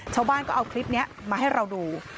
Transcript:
ชาวบ้านก็เอาคลิปนี้มาให้เราดู